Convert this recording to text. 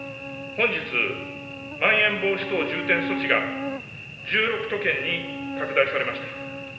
本日、まん延防止等重点措置が、１６都県に拡大されました。